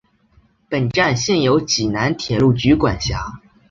本站现由济南铁路局管辖。